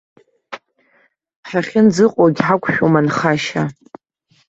Ҳахьынӡаҟоугь ҳақәшәом анхашьа.